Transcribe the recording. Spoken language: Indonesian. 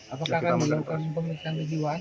apakah akan dilakukan pemilikan kejiwaan